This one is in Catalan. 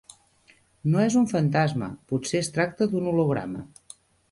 No és un fantasma, potser és tracta d'un holograma.